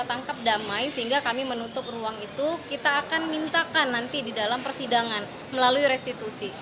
jadi itu akan dimintakan nanti di dalam persidangan melalui restitusi